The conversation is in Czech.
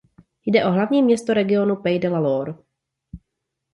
Jde o hlavní město regionu Pays de la Loire.